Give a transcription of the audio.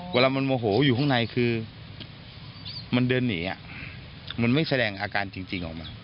เวลามันโมโหอยู่ข้างในคือมันเดินหนีมันไม่แสดงอาการจริงออกมา